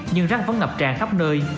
nhưng rác vẫn ngập tràn khắp nơi